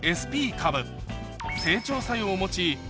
株